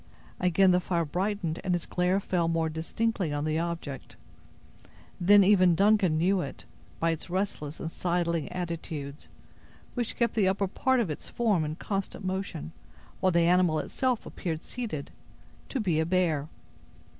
Again the fire brightened and its glare fell more distinctly on the object. Then even Duncan knew it, by its restless and sidling attitudes, which kept the upper part of its form in constant motion, while the animal itself appeared seated, to be a bear.